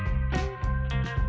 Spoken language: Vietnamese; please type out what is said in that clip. nhiệt độ thấp nhất